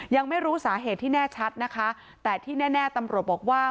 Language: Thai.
ยังไม่รู้สาเหตุที่แน่ชัดนะคะแต่ที่แน่ตำรวจบอกว่า